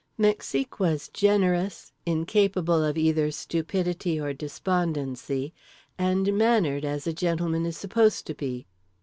Mexique was generous, incapable of either stupidity or despondency, and mannered as a gentleman is supposed to be.